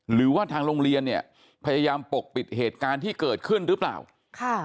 หรือว่าทางโรงเรียนเนี่ยพยายามปกปิดเหตุการณ์ที่เกิดขึ้นหรือเปล่าค่ะ